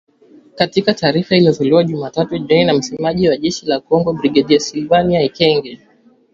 Katika taarifa iliyotolewa Jumatatu jioni na msemaji wa jeshi la CONGO Brigedia Sylvain Ekenge